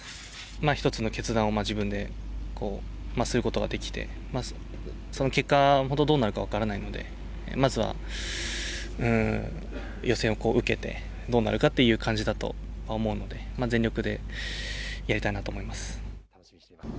一つの決断を自分ですることができて、その結果どうなるかわからないので、まずは予選を受けてどうなるかという感じだと思うので、全力でやりたいなと思います。